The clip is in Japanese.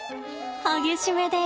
激しめで。